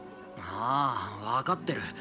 あー分かってる。